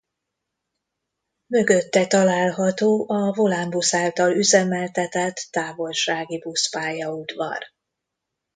Mögötte található a Volánbusz által üzemeltetett távolságibusz-pályaudvar.